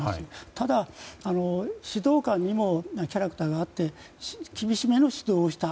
ただ、指導官にもキャラクターがあって厳しめの指導をした。